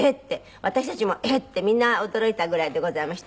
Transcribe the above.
私たちも「えっ！」ってみんな驚いたぐらいでございまして。